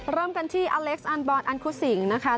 เริ่มกันที่อเล็กซ์อันบอลอันคุสิงนะคะ